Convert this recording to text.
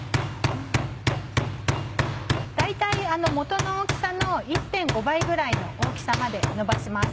大体元の大きさの１．５倍ぐらいの大きさまでのばします。